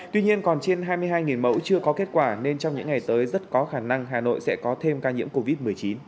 tuy nhiên còn trên hai mươi hai mẫu chưa có kết quả nên trong những ngày tới rất có khả năng hà nội sẽ có thêm ca nhiễm covid một mươi chín